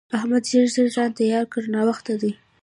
احمده! ژر ژر ځان تيار کړه؛ ناوخته دی.